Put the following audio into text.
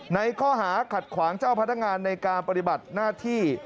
ในข้อหาขัดขวางเจ้าพนักงานในการปฏิบัติหน้าที่